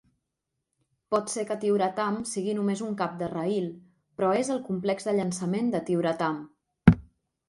Pot ser que Tyuratam sigui només un cap de raïl, però és el complex de llançament de Tyuratam.